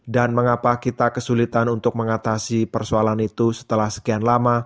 dan mengapa kita kesulitan untuk mengatasi persoalan itu setelah sekian lama